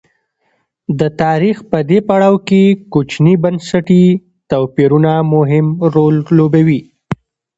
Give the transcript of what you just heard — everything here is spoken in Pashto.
د تاریخ په دې پړاو کې کوچني بنسټي توپیرونه مهم رول لوبوي.